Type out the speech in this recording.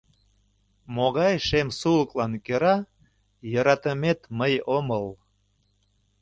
Могай шем сулыклан кӧра Йӧратымет мый омыл?